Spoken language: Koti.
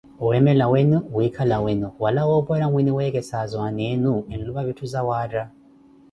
Wemela wenu, wikhala wenu wala wopora mwiniwekesazo aana enu enlupa vitthu zawaatta.